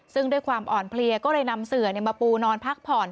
ซึ่งด้วยความอ่อนเพลียก็เลยนำเสือมาปูนอนพักผ่อน